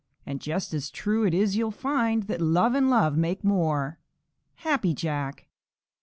And just as true it is you'll find That love and love make more. _Happy Jack.